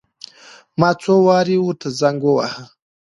ما څو وارې ورته زنګ وواهه.